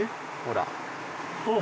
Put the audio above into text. ほら。